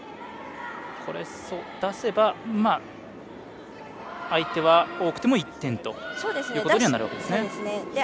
出せば、相手は多くても１点となるわけですね。